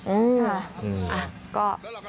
อืมอ่ะก็